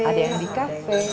ada yang di cafe